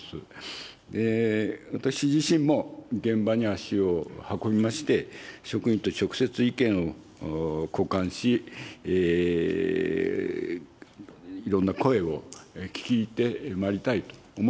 私自身も現場に足を運びまして、職員と直接意見を交換し、いろんな声を聞いてまいりたいと思ってございます。